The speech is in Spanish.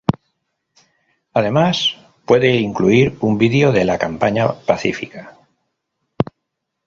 Además, puede incluir un vídeo de la campaña pacífica.